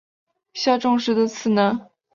下重实的次男。